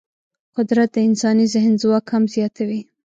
قدرت د انساني ذهن ځواک هم زیاتوي.